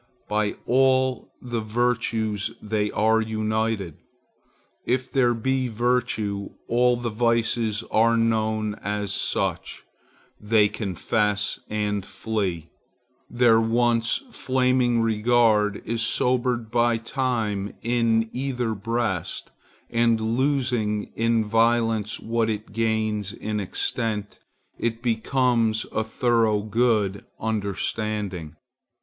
By all the virtues they are united. If there be virtue, all the vices are known as such; they confess and flee. Their once flaming regard is sobered by time in either breast, and losing in violence what it gains in extent, it becomes a thorough good understanding.